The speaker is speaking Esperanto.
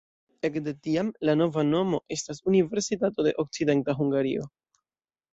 Ekde tiam la nova nomo estas Universitato de Okcidenta Hungario.